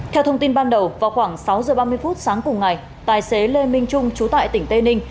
theo thông tin ban đầu vào khoảng sáu giờ ba mươi phút sáng cùng ngày tài xế lê minh trung trú tại tỉnh tây ninh